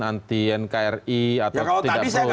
anti nkri ya kalau tadi saya